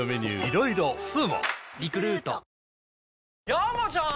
山ちゃん！